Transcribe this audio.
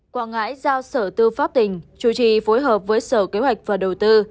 quảng ngãi giao sở tư pháp tỉnh chủ trì phối hợp với sở kế hoạch và đầu tư